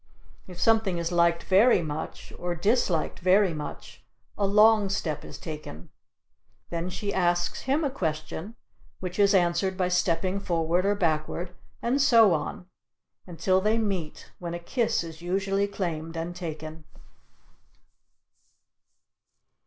If something is liked very much or disliked very much a long step is taken. Then she asks him a question which is answered by stepping forward or backward and so on until they meet when a kiss is usually claimed and taken.